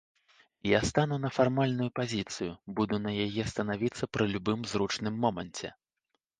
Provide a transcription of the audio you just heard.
Я стану на фармальную пазіцыю, буду на яе станавіцца пры любым зручным моманце.